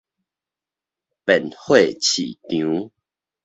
便貨市場